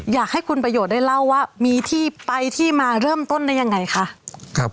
อยากให้คุณประโยชน์ได้เล่าว่ามีที่ไปที่มาเริ่มต้นได้ยังไงคะ